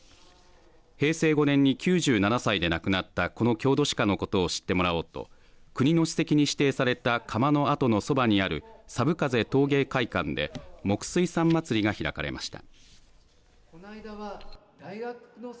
平成５年に９７歳で亡くなったこの郷土史家のことを知ってもらおうと国の史跡に指定された窯のそばにある寒風陶芸会館で黙水さんまつりが開かれました。